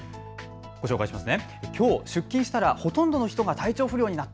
ご紹介します。